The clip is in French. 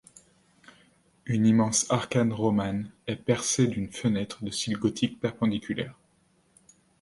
Une immense arcade romane est percée d'une fenêtre de style gothique perpendiculaire.